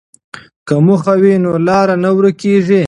که موخه وي نو لاره نه ورکېږي.